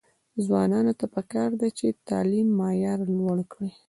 ځوانانو ته پکار ده چې، تعلیم معیار لوړ کړي.